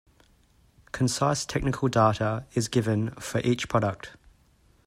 Concise technical data is given for each product.